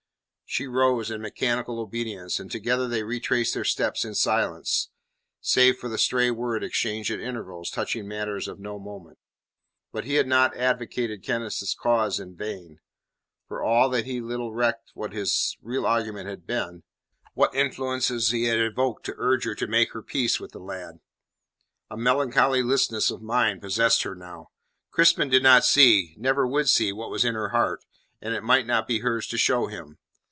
She rose in mechanical obedience, and together they retraced their steps in silence, save for the stray word exchanged at intervals touching matters of no moment. But he had not advocated Kenneth's cause in vain, for all that he little recked what his real argument had been, what influences he had evoked to urge her to make her peace with the lad. A melancholy listlessness of mind possessed her now. Crispin did not see, never would see, what was in her heart, and it might not be hers to show him.